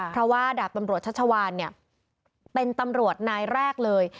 เพราะว่าดาบตำรวจชัชวานเป็นตำรวจนายแรกเลย